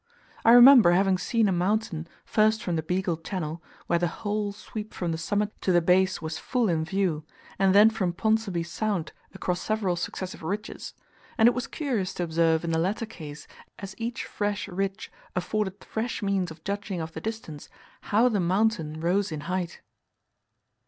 I remember having seen a mountain, first from the Beagle Channel, where the whole sweep from the summit to the base was full in view, and then from Ponsonby Sound across several successive ridges; and it was curious to observe in the latter case, as each fresh ridge afforded fresh means of judging of the distance, how the mountain rose in height.